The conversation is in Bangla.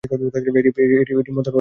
এটি মধ্য নেপালে অবস্থিত।